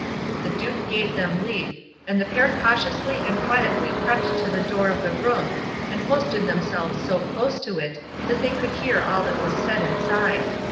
The duke gave them leave, and the pair cautiously and quietly crept to the door of the room and posted themselves so close to it that they could hear all that was said inside.